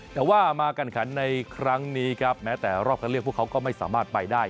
แต่ว่ามากันขันในครั้งนี้ครับแม้แต่รอบคันเลือกพวกเขาก็ไม่สามารถไปได้